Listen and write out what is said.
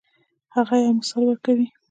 هغه یو مثال ورکوي.